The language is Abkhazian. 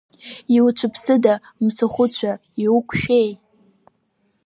Иуцәыԥсыда, мцахәыцәа, иуқәшәеи?